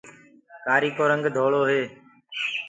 ڪآري ڪو رنگ ڌݪو هي۔